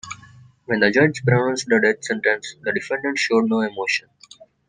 When the judge pronounced the death sentence, the defendant showed no emotion.